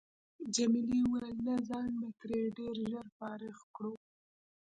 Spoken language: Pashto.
جميلې وويل: نه ځان به ترې ډېر ژر فارغ کړو.